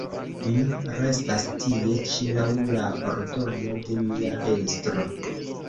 Mi restas tie ĉi laŭ la ordono de mia estro.